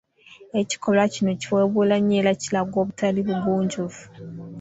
Ekikolwa kino kiweebuula nnyo era kiraga obutali bugunjufu.